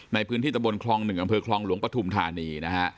ในพื้นที่ตำรวจคลองหนึ่งอำเภอคลองหลวงปทุมธานีนะฮะ